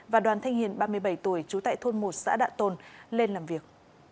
và đoàn thanh hiền ba mươi bảy tuổi trú tại thôn một xã đạ tôn lên làm việc